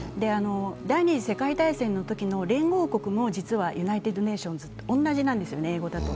第二次世界大戦のときの連合軍も実はユナイテッド・ネーションズと同じなんですね、英語だと。